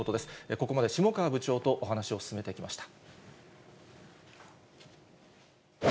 ここまで下川部長とお話を進めてきました。